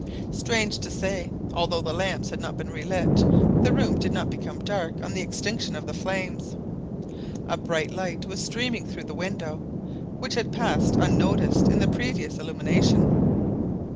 Strange to say, although the lamps had not been relit, the room did not become dark on the extinction of the flames. A bright red light was streaming through the window, which had passed unnoticed in the previous illumination.